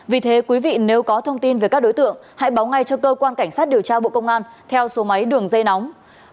vì thế quý vị nếu có thông tin về các đối tượng hãy báo ngay cho cơ quan cảnh sát điều tra bộ công an theo số máy đường dây nóng